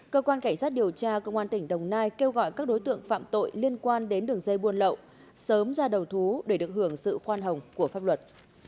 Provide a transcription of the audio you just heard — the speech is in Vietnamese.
cơ quan cảnh sát điều tra công an tỉnh đồng nai kêu gọi các đối tượng phạm tội liên quan đến đường dây buôn lậu sớm ra đầu thú để được hưởng sự khoan hồng của pháp luật